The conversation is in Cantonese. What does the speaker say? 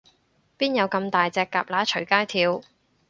邊有噉大隻蛤乸隨街跳